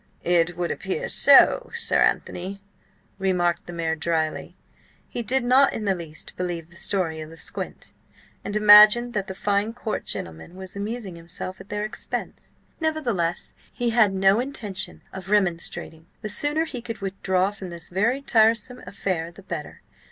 "It would appear so, Sir Anthony," remarked the mayor drily. He did not in the least believe the story of the squint, and imagined that the fine court gentleman was amusing himself at their expense. Nevertheless, he had no intention of remonstrating; the sooner he could withdraw from this very tiresome affair the better.